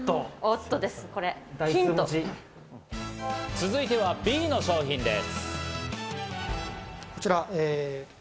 続いては、Ｂの商品です。